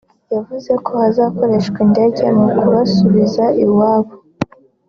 yavuze ko hazakoreshwa indege mu kubasubiza iwabo